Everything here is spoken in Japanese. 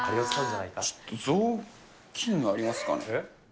ちょっと雑巾がありますかね。